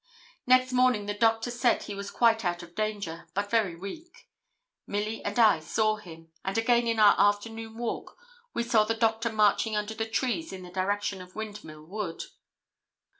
Next morning the doctor said he was quite out of danger, but very weak. Milly and I saw him; and again in our afternoon walk we saw the doctor marching under the trees in the direction of the Windmill Wood.